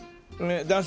男性？